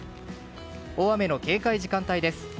大雨の警戒時間帯です。